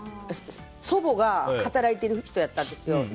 祖母が働いている人やったんですよ。